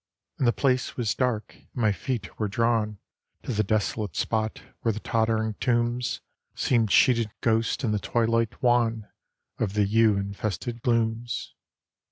And the place was dark; and my feet were drawn To the desolate spot where the tottering tombs Seemed sheeted ghosts in the twilight wan Of the yew invested glooms.